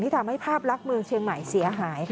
ที่ทำให้ภาพลักษณ์เชียงใหม่เสียหายค่ะ